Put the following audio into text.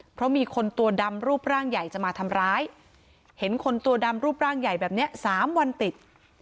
เพราะมีคนตัวดำรูปร่างใหญ่จะมาทำร้ายเห็นคนตัวดำรูปร่างใหญ่แบบนี้๓วันติด